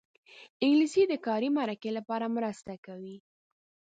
انګلیسي د کاري مرکې لپاره مرسته کوي